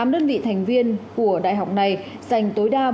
tám đơn vị thành viên của đại học này dành tối đa